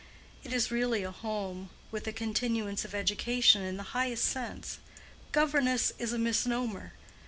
It is really a home, with a continuance of education in the highest sense: 'governess' is a misnomer.